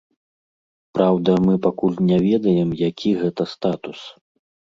Праўда, мы пакуль не ведаем, які гэта статус.